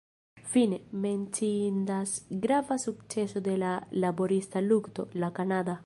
Fine, menciindas grava sukceso de la laborista lukto: La Kanada.